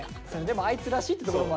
でもあいつらしいってところも。